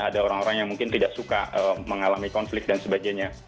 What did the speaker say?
ada orang orang yang mungkin tidak suka mengalami konflik dan sebagainya